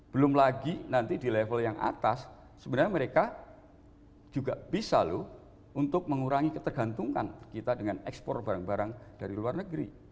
belum lagi nanti di level yang atas sebenarnya mereka juga bisa loh untuk mengurangi ketergantungan kita dengan ekspor barang barang dari luar negeri